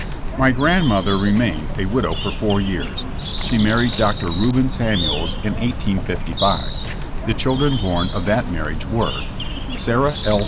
My grandmother remained a widow for four years. She married Dr. Reuben Samuels in 1855. The children born of that marriage were : Sarah L.